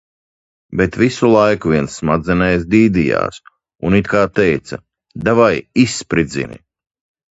Bet visu laiku viens smadzenēs dīdījās un it kā teica, davai izspridzini.